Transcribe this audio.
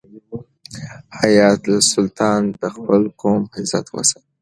حیات سلطان د خپل قوم عزت وساتی.